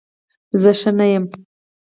زه ښه نه یم